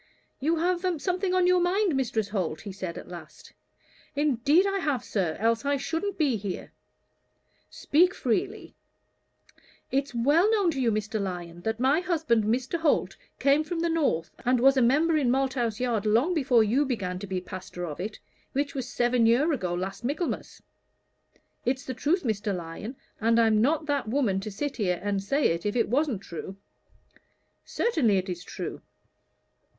"You have something on your mind, Mrs. Holt?" he said, at last. "Indeed I have, sir, else I shouldn't be here." "Speak freely." "It's well known to you, Mr. Lyon, that my husband, Mr. Holt, came from the north, and was a member in Malthouse Yard long before you began to be pastor of it, which was seven year ago last Michaelmas. It's the truth, Mr. Lyon, and I'm not that woman to sit here and say it if it wasn't true." "Certainly, it is true."